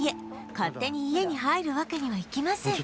勝手に家に入るわけにはいきません